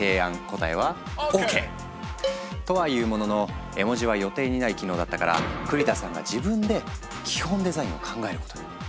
答えはＯＫ！とはいうものの絵文字は予定にない機能だったから栗田さんが自分で基本デザインを考えることに。